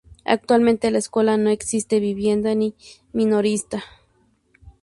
Actualmente la escuela no tiene vivienda ni minorista.